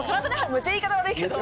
めちゃ言い方悪いけど。